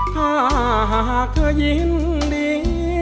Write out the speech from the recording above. ถ้าหากเธอยินดี